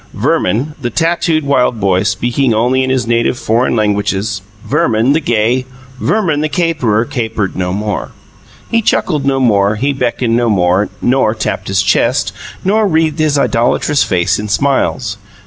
Verman, the tattooed wild boy, speaking only in his native foreign languages, Verman the gay, Verman the caperer, capered no more; he chuckled no more, he beckoned no more, nor tapped his chest, nor wreathed his idolatrous face in smiles.